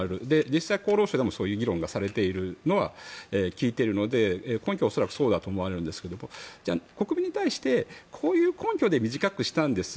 実際、厚労省でもそういう議論がされているのは聞いているので根拠は恐らくそうだと思いますが国民に対してこういう根拠で短くしたんです